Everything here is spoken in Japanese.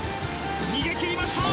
逃げきりました！